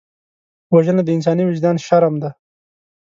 وژنه د انساني وجدان شرم ده